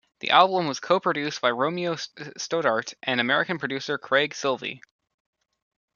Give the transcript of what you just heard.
The album was co-produced by Romeo Stodart and American producer Craig Silvey.